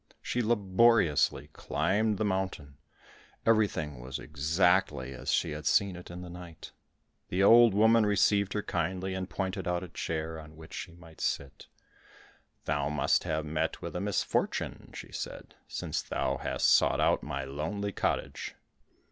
She laboriously climbed the mountain; everything was exactly as she had seen it in the night. The old woman received her kindly, and pointed out a chair on which she might sit. "Thou must have met with a misfortune," she said, "since thou hast sought out my lonely cottage."